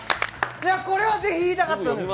これはぜひ言いたかったんです。